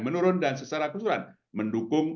menurun dan secara keseluruhan mendukung